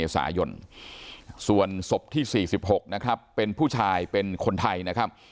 สายนส่วนศพที่๔๖นะครับเป็นผู้ชายเป็นคนไทยนะครับ